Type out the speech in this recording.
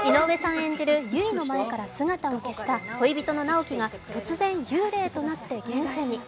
演じる悠依の前から姿を消した恋人の直木が突然幽霊となって現世に。